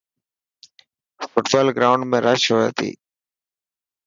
فٽبال گروائنڊ ۾ رش هئي تي.